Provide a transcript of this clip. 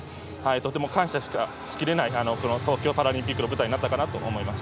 とても感謝しきれない東京パラリンピックの舞台になったかなと思います。